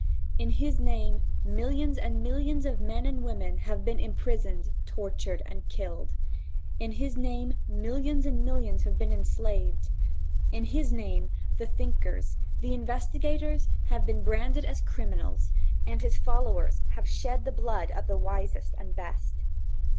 In his name millions and millions of men and women have been imprisoned, tortured and killed. In his name millions and millions have been enslaved. In his name the thinkers, the investigators, have been branded as criminals, and his followers have shed the blood of the wisest and best.